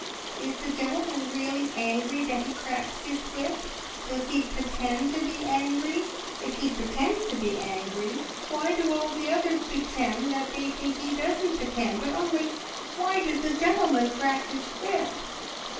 "Is the gentleman really angry, that he cracks his whip? Does he pitend to be angry? If he pitends to be angry, why do all the others pitend that they think he doesn't pitend, but only, Why does the gentleman crack his whip?"